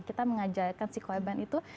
kita mengajarkan si korban itu